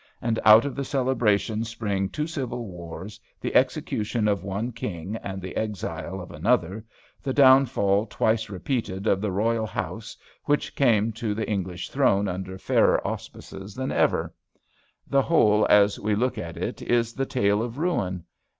And out of the celebration spring two civil wars, the execution of one king and the exile of another, the downfall twice repeated of the royal house, which came to the English throne under fairer auspices than ever. The whole as we look at it is the tale of ruin.